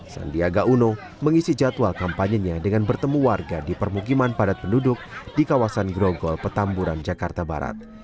sandiaga uno mengisi jadwal kampanyenya dengan bertemu warga di permukiman padat penduduk di kawasan grogol petamburan jakarta barat